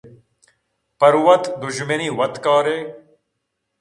پر وت دژمنے وت کارے